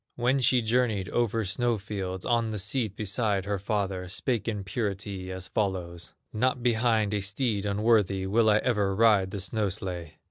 When she journeyed over snow fields, On the seat beside her father, Spake in purity as follows: "Not behind a steed unworthy Will I ever ride the snow sledge!"